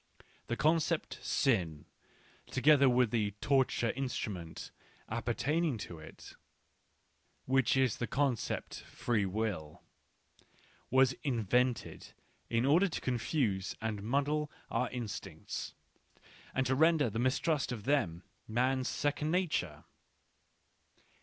The concept " sin," together with the torture instrument apper taining to it, which is the concept " free will," was invented in order to confuse and muddle our in stincts, and to render the mistrust of them man's second nature!